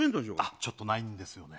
ちょっとないんですね。